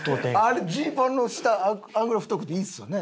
あれジーパンの下あんな太くていいですよね？